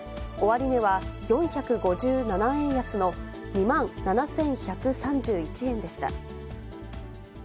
終値は４５７円安の２万７１３１円でした。